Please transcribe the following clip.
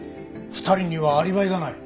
２人にはアリバイがない。